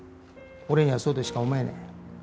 俺にはそうとしか思えねえ。